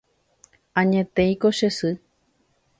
Añetéiko che sy.